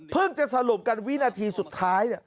จะสรุปกันวินาทีสุดท้าย